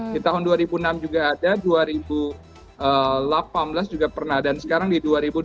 di tahun dua ribu enam juga ada dua ribu delapan belas juga pernah dan sekarang di dua ribu dua belas